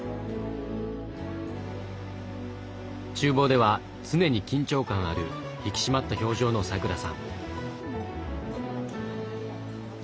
厨房では常に緊張感ある引き締まった表情のさくらさん。